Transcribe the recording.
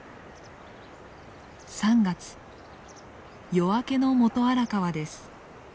夜明けの元荒川です。